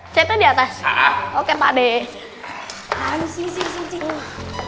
sampai jumpa di video selanjutnya